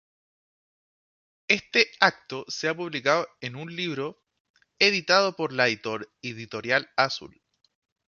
Este acto se ha publicado en un libro, editado por la Editorial Azul.